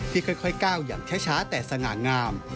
ค่อยก้าวอย่างช้าแต่สง่างาม